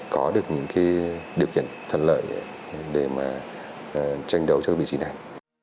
có được những điều kiện thân lợi để mà tranh đấu trước vị trí này